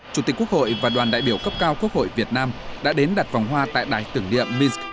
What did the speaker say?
chủ tịch quốc hội và đoàn đại biểu cấp cao quốc hội việt nam đã đến đặt vòng hoa tại đài tưởng niệm minsk